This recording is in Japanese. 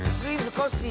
コッシー」